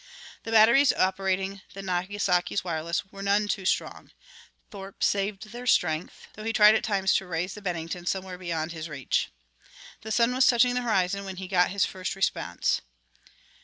The batteries operating the Nagasaki's wireless were none too strong; Thorpe saved their strength, though he tried at times to raise the Bennington somewhere beyond his reach. The sun was touching the horizon when he got his first response.